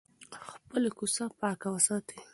خپله کوڅه پاکه وساتئ.